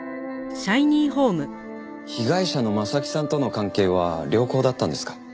被害者の征木さんとの関係は良好だったんですか？